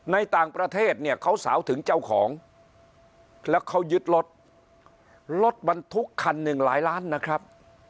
ในต่างประเทศเนี่ยเขาสาวถึงเจ้าของแล้วเขายึดรถรถบรรทุกคันหนึ่งหลายล้านนะครับ